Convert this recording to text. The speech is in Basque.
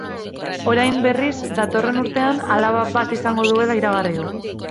Orain, berriz, datorren urtean alaba bat izango duela iragarri du.